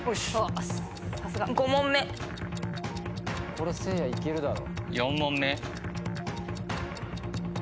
これせいやいけるだろ。